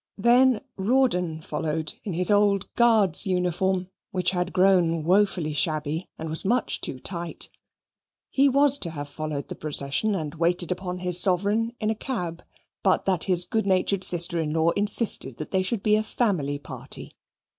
Then Rawdon followed in his old Guards' uniform, which had grown woefully shabby, and was much too tight. He was to have followed the procession and waited upon his sovereign in a cab, but that his good natured sister in law insisted that they should be a family party.